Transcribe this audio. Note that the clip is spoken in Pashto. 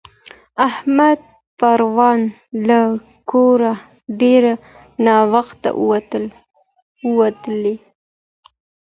احمد پرون له کوره ډېر ناوخته ووتلی.